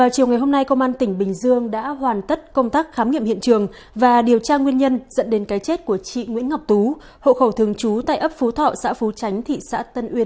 các bạn hãy đăng ký kênh để ủng hộ kênh của chúng mình nhé